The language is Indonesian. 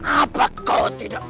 apa kau tidak